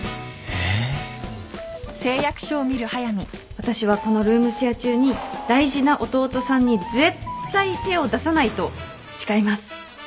私はこのルームシェア中に大事な弟さんに絶対手を出さないと誓います